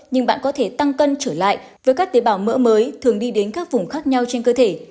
nhưng bạn có thể tăng cân trở lại với các tế bào mỡ mới thường đi đến các vùng khác nhau trên cơ thể